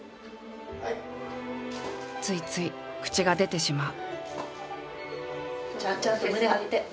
ついつい口が出てしまう。